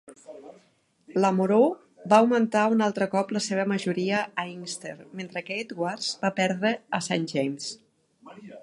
Lamoureux va augmentar un altre cop la seva majoria a Inkster, mentre que Edwards va perdre a Saint James.